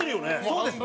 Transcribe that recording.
そうです。